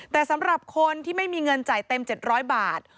แต่สำหรับคนที่ไม่มีเงินจ่ายเต็ม๗๐๐บาท